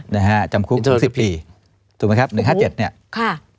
นะฮะจำคุกสิบปีถูกไหมครับหนึ่งห้าเจ็ดเนี้ยค่ะ